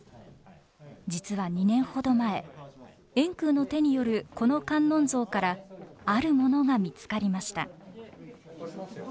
実は２年ほど前円空の手によるこの観音像からあるものが見つかりました。